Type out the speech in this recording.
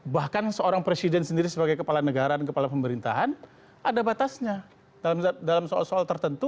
bahkan seorang presiden sendiri sebagai kepala negara dan kepala pemerintahan ada batasnya dalam soal soal tertentu